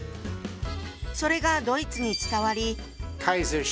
それがドイツに伝わり。